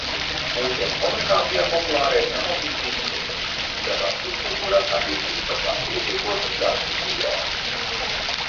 Mūsdienu komunikācijā populāra ir emocijzīmju lietošana, kas dažās subkultūrās attīstīta par pašpietiekošu rakstu sistēmu.